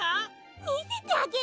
みせてあげる。